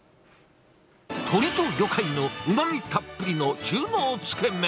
鶏と魚介のうまみたっぷりの中濃つけ麺。